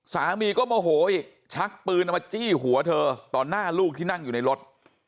สามีก็โมโหอีกชักปืนเอามาจี้หัวเธอต่อหน้าลูกที่นั่งอยู่ในรถ